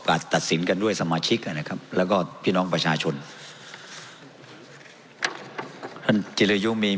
เพราะมันก็มีเท่านี้นะเพราะมันก็มีเท่านี้นะ